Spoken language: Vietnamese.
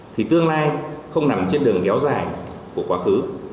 thì tương lai không nằm trên đường kéo dài của quá khứ